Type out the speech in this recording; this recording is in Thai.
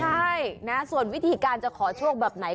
ใช่นะส่วนวิธีการจะขอโชคแบบไหน